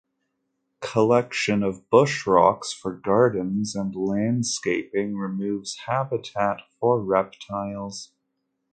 Collection of bush rocks for gardens and landscaping removes habitat for reptiles.